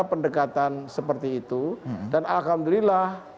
pendekatan seperti itu dan alhamdulillah